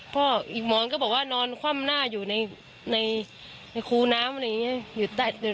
อีกหมอนก็บอกว่านอนคว่ำหน้าอยู่ในคูน้ำอะไรอย่างนี้